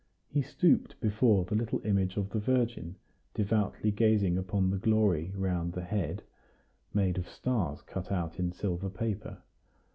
He stooped before the little image of the Virgin, devoutly gazing upon the glory round the head (made of stars cut out in silver paper).